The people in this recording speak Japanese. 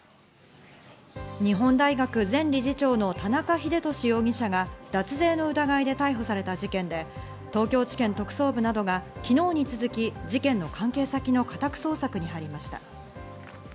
日本大学前理事長の田中英壽容疑者が脱税の疑いで逮捕された事件で、東京地検特捜部などが昨日に引き続き事件の関係先の家宅捜索に入りました。